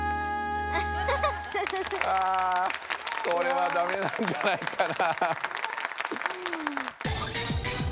あこれはダメなんじゃないかな。